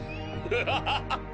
ハハハ！